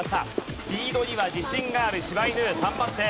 スピードには自信がある柴犬３番手。